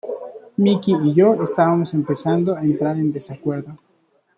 Mick y yo estábamos empezando a entrar en desacuerdo".